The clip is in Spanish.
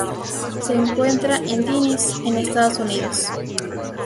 Se encuentran en Tennessee en Estados Unidos.